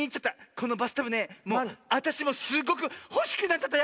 このバスタブねあたしもすっごくほしくなっちゃった